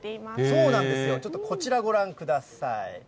そうなんですよ、ちょっとこちら、ご覧ください。